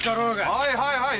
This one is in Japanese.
はいはいはい。